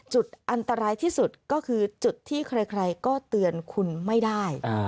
จุดอันตรายที่สุดก็คือจุดที่ใครก็เตือนคุณไม่ได้